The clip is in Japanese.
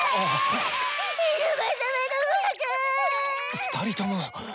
２人とも。